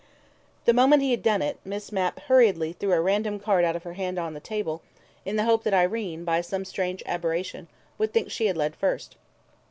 The moment he had done it, Miss Mapp hurriedly threw a random card out of her hand on to the table, in the hope that Irene, by some strange aberration, would think she had led first.